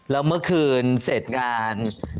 แล้วเมื่อคืนเสร็จงาน